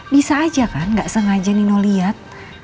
bisa aja kan gak sengaja nino lihat